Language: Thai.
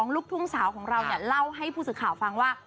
ลูกทุ่งสาวของเราเล่าให้ผู้สื่อข่าวฟังว่า